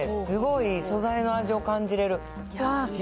すごい素材の味を感じれる。